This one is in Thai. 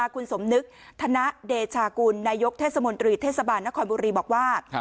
คุณสมนึกธนเดชาคุณนายกเทศบาลนครบุรีบอกว่า